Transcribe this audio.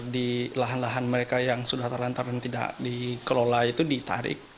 di lahan lahan mereka yang sudah terlantar dan tidak dikelola itu ditarik